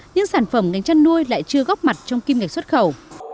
những sản phẩm ngành chăn nuôi lại chưa góc mặt trong kim ngạch xuất khẩu